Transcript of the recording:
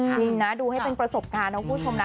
จริงนะดูให้เป็นประสบการณ์นะคุณผู้ชมนะ